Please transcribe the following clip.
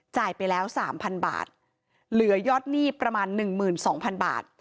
จ่ายไปแล้วสามพันบาทเหลือยอดหนี้ประมาณหนึ่งหมื่นสองพันบาท